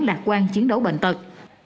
lạc quan chiến đấu bệnh tật